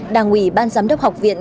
đảng ủy ban giám đốc học viện